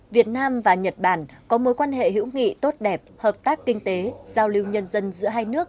việt nam và nhật bản có mối quan hệ hữu nghị tốt đẹp hợp tác kinh tế giao lưu nhân dân giữa hai nước